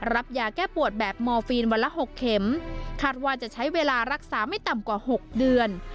รับยาแก้ปวดแบบมอร์ฟีนวันละ๖เข็มคาดว่าจะใช้เวลารักษาไม่ต่ำกว่า๖เดือน